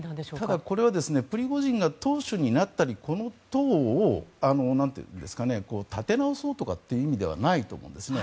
ただ、これはプリゴジンが党首になったりこの党を立て直そうという意味ではないと思うんですね。